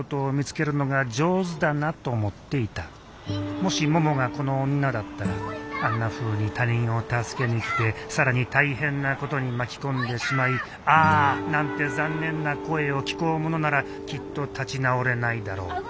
もしももがこの女だったらあんなふうに他人を助けに来て更に大変なことに巻き込んでしまい「ああ」なんて残念な声を聞こうものならきっと立ち直れないだろう